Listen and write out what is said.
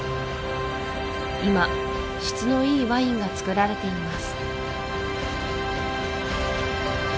今質のいいワインがつくられています